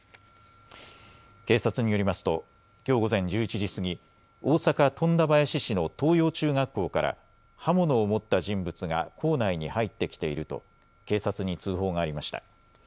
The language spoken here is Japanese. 警察によりますときょう午前１１時過ぎ、大阪富田林市の藤陽中学校から刃物を持った人物が校内に入ってきていると警察に通報がありました。